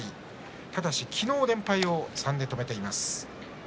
ただし昨日、連敗を３で止めています。